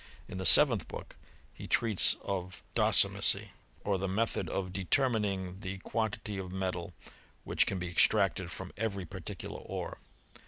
In the seventh book he treats of docimasyy or the method of determining the quantity of metal which can be extracted from every particular ore.